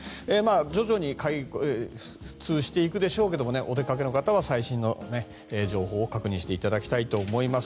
徐々に開通していくでしょうけどお出かけの方は、最新の情報を確認していただきたいと思います。